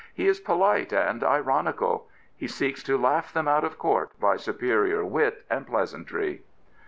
He is polite and ironical. He seeks to laugh them out of court by superior wit and pleasantry.